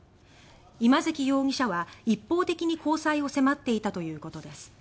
今関容疑者は一方的に交際を迫っていたということです。